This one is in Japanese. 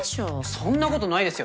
そんなことないですよ